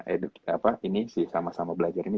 edu apa ini si sama sama belajar ini